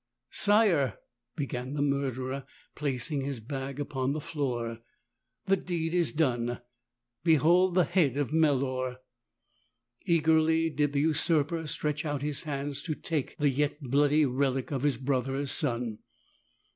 "Sire," began the murderer, placing his bag upon the floor, "the deed is done. Behold the head of Melor!" Eagerly did the usurper stretch out his hands to take the yet bloody relic of his brother's son.